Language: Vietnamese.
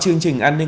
chương trình an ninh